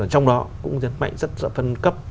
trong đó cũng rất mạnh rất rõ phân cấp